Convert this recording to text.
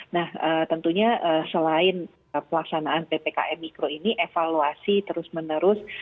nah tentunya selain pelaksanaan ppkm mikro ini evaluasi terus menerus